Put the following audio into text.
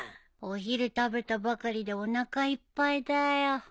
お昼食べたばかりでおなかいっぱいだよ。